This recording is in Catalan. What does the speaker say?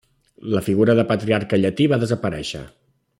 La figura de Patriarca Llatí va desaparèixer.